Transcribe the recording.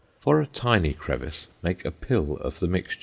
For a tiny crevice make a pill of the mixture.